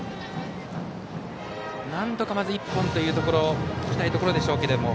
なんとかまず１本というところいきたいところでしょうが。